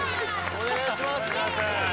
お願いします